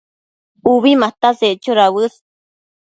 Ubi mataseccho dauës